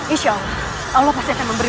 insya allah pasti akan memberi